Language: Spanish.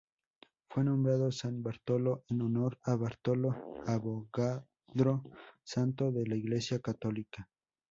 Fue nombrado "San Bartolo" en honor a Bartolo Avogadro, santo de la Iglesia católica.